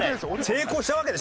成功したわけでしょ？